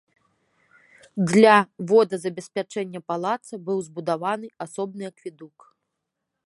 Для водазабеспячэння палаца быў збудаваны асобны акведук.